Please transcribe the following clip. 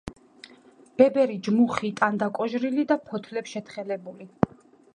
ბებერი ჯმუხი ტანდაკოჟრილი და ფოთლებ შეთხელებული.